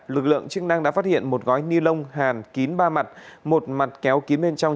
lực lượng chức năng đã phát hiện một gói ni lông hàn kín ba mặt một mặt kéo kín bên trong